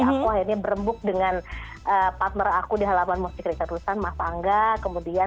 aku akhirnya berembuk dengan partner aku di halaman musik kisah tulisan mas pangga kemudian